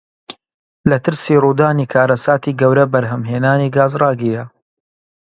لە ترسی ڕوودانی کارەساتی گەورە بەرهەمهێنانی گاز ڕاگیرا.